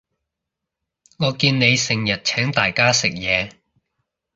我見你成日請大家食嘢